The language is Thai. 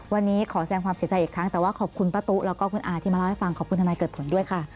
วันนี้ขอแสดงความเสียใจอีกครั้งแต่ว่าขอบคุณป้าตุ๊แล้วก็คุณอาที่มาเล่าให้ฟังขอบคุณทนายเกิดผลด้วยค่ะ